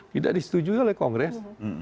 tidak disetujui oleh kongres